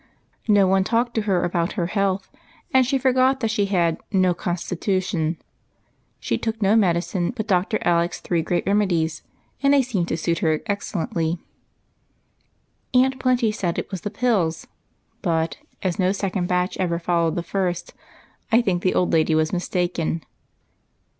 No one talked to her about her health, and she forgot that she had " no constitution." She took no medicine but Dr. Alec's three great remedies, and they seemed to suit her excellently. Aunt Plenty said it was the pills ; but, as no second batch ever followed the first, I think the old lady was mistaken.